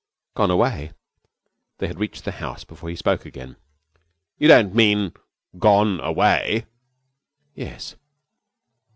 'Gone away.' They had reached the house before he spoke again. 'You don't mean gone away?' 'Yes.'